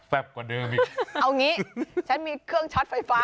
กว่าเดิมอีกเอางี้ฉันมีเครื่องช็อตไฟฟ้า